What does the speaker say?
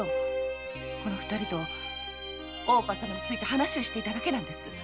この二人と大岡様について話をしていただけなんです。